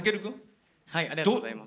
ありがとうございます。